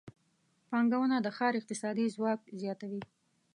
پانګونه د ښار اقتصادي ځواک زیاتوي.